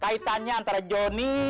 kaitannya antara joni